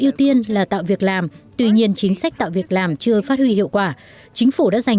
ưu tiên là tạo việc làm tuy nhiên chính sách tạo việc làm chưa phát huy hiệu quả chính phủ đã dành